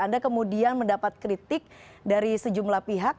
anda kemudian mendapat kritik dari sejumlah pihak